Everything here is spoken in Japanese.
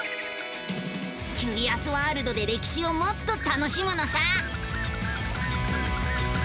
キュリアスワールドで歴史をもっと楽しむのさ！